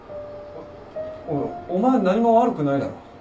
おいお前は何も悪くないだろ。